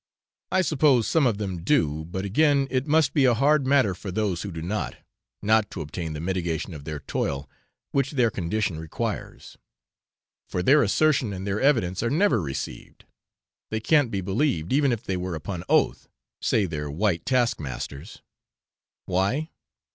I suppose some of them do; but again, it must be a hard matter for those who do not, not to obtain the mitigation of their toil which their condition requires; for their assertion and their evidence are never received they can't be believed, even if they were upon oath, say their white taskmasters; why?